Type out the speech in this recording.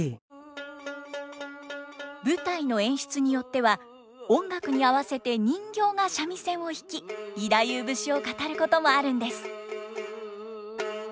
舞台の演出によっては音楽に合わせて人形が三味線を弾き義太夫節を語ることもあるんです。